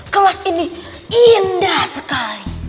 kelas ini indah sekali